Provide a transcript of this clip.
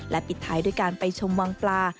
ปิดท้ายด้วยการไปชมวังปลา